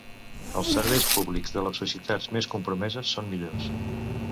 Els serveis públics de les societats més compromeses són millors.